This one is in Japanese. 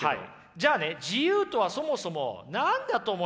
じゃあね自由とはそもそも何だと思います？